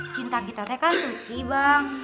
cinta kita kan suci bang